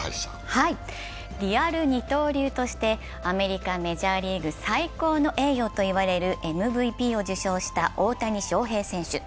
リアル二刀流としてアメリカメジャーリーグ最高の栄誉といわれるＭＶＰを受賞した大谷翔平選手。